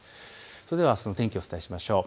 それではあすの天気、お伝えしましょう。